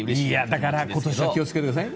だから、今年は気をつけてください。